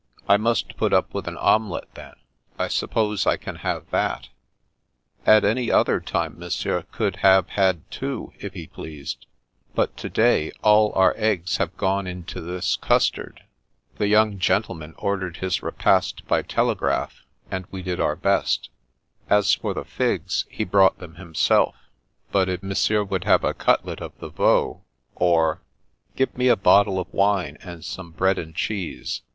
" I must put up with an omelette, then. I suppose I can have that ?" "At any other time Monsieur could have had two, if he pleased, but to day all our eggs have gone into this custard. The young gentleman ordettd The Brat 1 05 his repast by telegraph, and we did our best. As for the figs, he brought them himself ; but if Mon sieur would have a cutlet of the veau, or "" Give me a bottle of wine, and some bread and cheese.